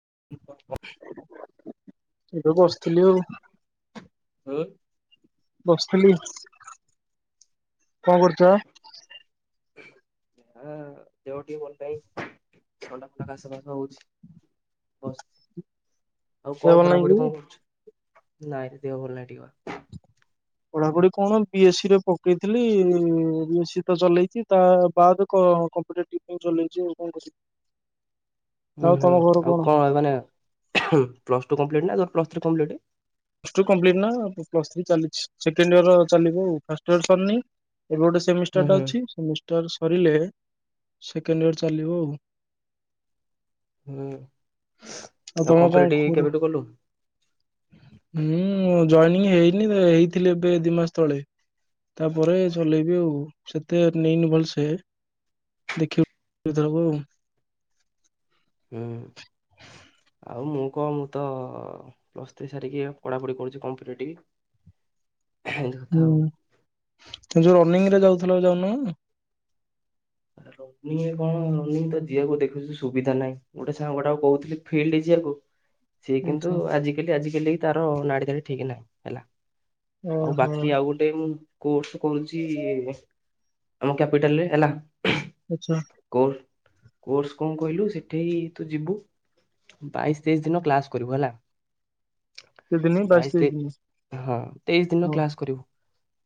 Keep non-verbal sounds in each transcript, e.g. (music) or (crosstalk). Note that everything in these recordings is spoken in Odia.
(inaudible) ଏବେ ବସିଥିଲି ଆଉ। ହୁଁ ବସିଥିଲି। କଣ କରୁଛ? ଅ ଦେହ ଟିକେ ଭଲ ନାଇଁ, ଥଣ୍ଡା, ଫଣ୍ଡା, କାଶ, ଫାଶ ହଉଛି। ବସ। ଆଉ ଦେହ କଣ ଭଲ ନାହିଁ ପଢାପଢି କି? କଣ କରୁଛ? ନାଇଁ, ଦେହ ଭଲ ନାହିଁ ଟିକେ ବା। ପଢାପଢି କଣ, ବି ଏସ୍ ସି ରେ ପକେଇଥିଲି ବି ଏ ସି ତ ଚଲେଇଛି ତା ବାଦ କଣ କମ୍ପିଟେଟିଭ ପାଇ ଚଲେଇଛି ଆଉ କଣ କରିବି। (inaudible) ହୁଁ ଆଉ ହୁଁ ତମ ଘର ଆଉ କଣ ମାନେ ପ୍ଲସ ଟୁ କମ୍ପିଟ ନା ପ୍ଲ three complete. Plus two complete ନା ପ୍ଲସ୍ ଥ୍ରୀ ଚାଲି ସେକେଣ୍ଡ ଇୟର ଚାଲିବ ଆଉ ଫାଷ୍ଟ ଇୟର ସରିନି। ଏବେ ଗୋଟେ ସେମିଷ୍ଟାର ହୁଁ ଟା ହୁଁ ଅଛି। ସେମି ସରିଲେ ସେକେଣ୍ଡ ଇୟର ଚାଲିବ ଆଉ। ହୁଁ ଆଉ ତମ କଣ କମ୍ପିଟେଟିଭ କେବେଠୁ କଲୁ? ମୁଁ ଜଏନିଂ ହେଇନି ହେଇଥିଲି ଏବେ ଦି ମାସ ତଳେ। ତାପରେ ଚଲେଇବି ଆଉ। ସେତେ ନେଇନି ଭଲସେ। ଦେଖି ଏଇ ଥରକ ଆଉ। ହୁଁ। ଆଉ ମୁଁ କହ ମୁଁ ତ ପ୍ଲସ ଥ୍ରୀ ସାରିକି ଏବେ ପଢାପଢି କରୁଛି କମ୍ପିଟେଟିଭ୍। (inaudible) ହୁଁ ତ ଯୋଉ ରନିଂ ରେ ଯାଉଥିଲା ଯାଉନ? ରନିଂ କଣ ରନିଂ ତ ଯିବାକୁ ଦେଖୁଛି ସୁବିଧା ନାହିଁ। ଗୋଟେ ସାଙ୍ଗ ଗୋଟେ ଆଉ କହୁଥିଲି ଫିଲ୍ଡ ଯି ସିଏ କିନ୍ତୁ ଆଚ୍ଛା ଆଜିକାଲି ଆଜିିକାଲି ତାର ନାଡି ଧାଡି ଠିକ ନାହିଁ ହେଲା। ଆଉ ଓହୋ ବାକି ଆଉ ଗୋଟେ ମୁଁ କୋର୍ସ କରୁଛି ଆମ କ୍ୟାପିଟାଲରେ ହେଲା। ଆଚ୍ଛା। କୋର୍ କୋର୍ସ କଣ କହିଲୁ ସେଠି ତୁ ଯିବୁ ବାଇଶ ତେଇଶ ଦିନ କ୍ଲାସ କରିବୁ ହେଲା। କେତେଦିନି ବାଇଶ ତେଇଶ ତେ ଦିନି ହଁ ତେଇଶ ଦିନ ହଉ କ୍ଲାସ କରିବୁ।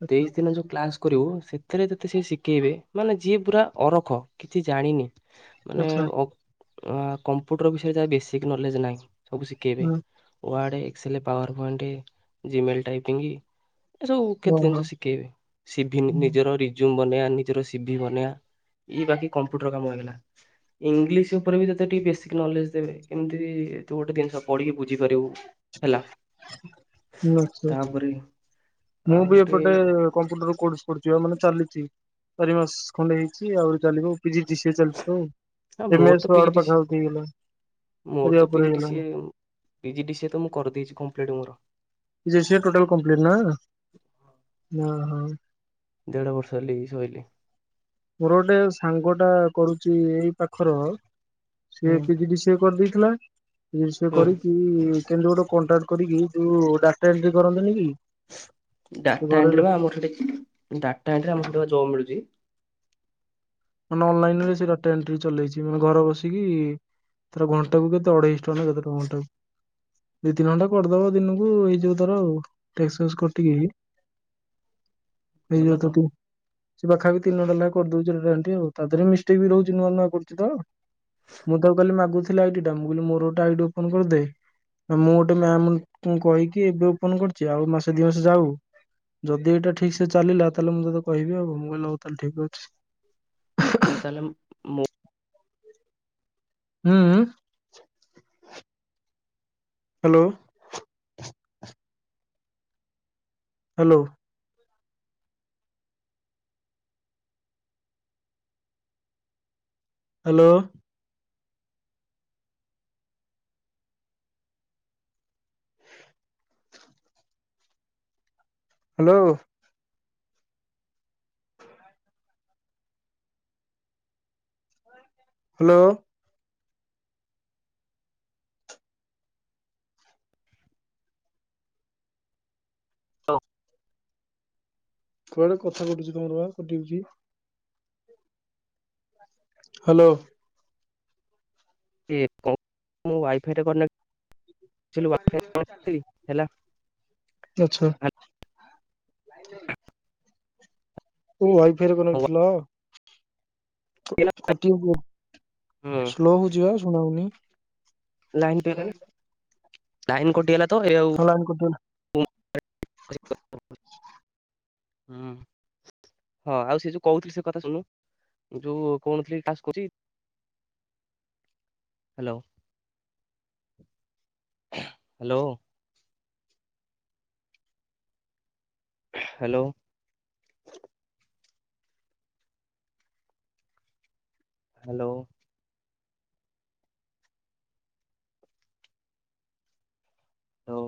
ଆଚ୍ଛା। ତେଇଶ ଦିନ ଯୋଉ କ୍ଲାସ କରିବୁ ସେଥିରେ ଯେତେ ସେ ଶିଖେଇବେ ମାନେ ଯିଏ ପୁରା ଅରଖ କିଛି ଜାଣିନି ମାନେ ଆଚ୍ଛା ଅ କମ୍ପ୍ୟୁଟର ବିଷୟରେ ଯାହାର ବେଶିକ ନଲେଜ ନାହିଁ। ସବୁ ଶିଖେଇବେ ହଁ Word, Excel, PowerPoint Gmail typing. ଏ ସବୁ କେତେ ଓହୋ ଜିନିଷ ଶିଖେଇବେ। ସିଭି ନିଜର ରିଜୁମ୍ ବନେଇବା ନିଜର ସିଭିି ବନେଇବା। ଇଏ ବାକି କମ୍ପ୍ୟୁଟର କାମ ହେଇଗଲା। ଇଂଲିଶ ଉପରେ ବି ତତେ ଟିକେ ବେସିକ ନଲେଜ ଦେବେ। କେମିତି ତୁ ଗୋଟେ ଜିନିଷ ପଢିକି ବୁଝିପାରିବୁ। ହେଲା। (unintelligible) ତାପରେ ମୁଁ ଆଉ ବି ଗୋଟେ ଏପଟେ କମ୍ପ୍ୟୁଟର କୋର୍ସ (unintelligible) ମାନେ ଚାଲିଛି ଚାରି ମାସ ଖଣ୍ଡେ ହେଇଛି ଆହୁରି ଚାଲିବ ପିଜିଡିସିଏ ଚାଲିଛି ତ। ହଁ ମୋର ଏମେ ତ ଏସ ପିଜି ୱାର୍ଡ ଡି ସି ପାଖାପାଖି ହେଇଗଲା। ମୋର ସରିବା ତ ଉପରେ ହେଇଗଲାଣି ପିଜିଡିସିଏ ପିଜିଡିସିଏ ତ ମୁଁ କରିଦେଇଛି କମ୍ପିଟ୍ ମୋର। ପିଜିଡିସିଏ ଟୋଟାଲ କମ୍ପ୍ଲିଟ ନା। ହଁ ଦେଢ ବର୍ଷ। (unintelligible) ମୋର ଗୋଟେ ସାଙ୍ଗ ଟା କରୁଛି ଏଇ ପାଖର ସିଏ ହୁଁ ପିଜିଡିସିଏ କରିଦେଇଥିଲା। ପିଜିଡିସିଏ ହୁଁ କରିକି କେନ୍ତି ଗୋଟେ କଣ୍ଟା କରିକି ଯୋଉ ଡାଟା ଏଣ୍ଟ୍ରି କରନ୍ତିନି କି ସେ ଡାଟା ଘରେ ଏଣ୍ଟ୍ରି ବା ଆମର ସେଠି ଡାଟା ଏଣ୍ଟ୍ରି ଆମର ସେଠି ବା ଜବ୍ ମିଳୁଛି। ମାନେ ଅନଲାଇନ ରେ ସେ ଡାଟା ଏଣ୍ଟ୍ରି ଚଲେଇଛି ମାନେ ଘର ବସିକି ତାର ଘଣ୍ଟା କୁ କେତେ ଅଢେଇଶ ଟଙ୍କା ନା କେତେଟଙ୍କା ଘଣ୍ଟାକୁ। ଦି ତିନି ଘଣ୍ଟା କରିଦବ ଦିନକୁ ହେଇ ଯିବ ତାର ଆଉ। ଟେକ୍ସ ଫେକ୍ସ କଟିକି। ଭଲ ହେଇଯିବ ତ (unintelligible) ସେ ପାଖା ବିି ତିନି ଘଣ୍ଟା ଲାଖେ କରିଦଉଛି ଡେଲି ଡେଲି। ଆଉ ତା ଦେହରେ ମିଷ୍ଟେକ୍ ବି ରହୁଛି ନୂଆ ନୂଆ କରୁଛି ତ। ମୁଁ ତାକୁ କାଲି ମାଗୁଥିଲି ଆଇଡ୍ ଟା ମୁଁ କହିଲି ମୋର ଗୋଟେ ଆଇଡ୍ ଓପନ କରିଦେ। ମୁଁ ଗୋଟେ ମ୍ୟାାମ କହିକି ଏବେ ଓପନ କରିଛି ଆଉ ମାସେ ଦି ମାସ ଯାଉ। ଯଦି ଏଇଟା ଠିକ୍ ସେ ଚାଲିଲା ତାହେଲେ ମୁଁ ତୋତେ କହିବି ଆଉ। ମୁଁ କହିଲି ହଉ ତାହେଲେ ଠିକ ଅଛି। ଆଉ ତାହେଲେ ମୁଁ ହୁଁ ଉଁ। Hello. Hello. Hello. Hello. Hello. ଓ କୁଆଡେ କଥା କଟୁଚି ତୋମର ବା କଟି ଅଉଚି। ହ୍ୟାଲୋ। ଏ କୋ ମୋ ୱାଇଫାଇ ଟା କନେ (inaudible) ହେଲା ଆଚ୍ଛା। ଆ (unintelligible) ଓ ୱାଇଫାଇ ର କନେକ୍ଟ ହୁଁ ଥିଲା। କ- କଟି ଅଉଚି ବା। ସ୍ଲୋ ହଉଚି ବା ଶୁଣା ହଉନି। ଲାଇନ୍ (unintelligible) କଟି ଗଲା ବେ। ଲାଇନ୍ କଟିଗଲା ତ ଏ ଆଉ ହଁ ଲାଇନ୍ କଟିଗଲା। (inaudible) ହୁଁ। ହଁ ଆଉ ସେ ଯୋଉ କହୁଥିଲି ସେ କଥା ଶୁଣୁନୁ। ଯୋଉ କହୁନଥିଲି କାସ କଛି (inaudible) ହ୍ୟାଲୋ, ହ୍ୟାଲୋ। ହ୍ୟାଲୋ। ହ୍ୟାଲୋ। ହ